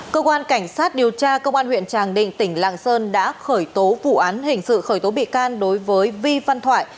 cơ quan cảnh sát điều tra công an huyện tràng định tỉnh lạng sơn đã khởi tố vụ án hình sự khởi tố bị can đối với vi văn thoại